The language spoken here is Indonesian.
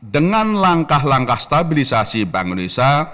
dengan langkah langkah stabilisasi bank indonesia